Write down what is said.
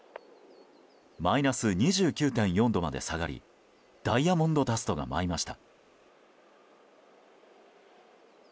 マイナス２９．４度まで下がりダイヤモンドダストが舞いました。